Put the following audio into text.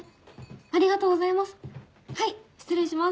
ありがとうございます